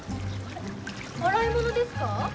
洗い物ですか？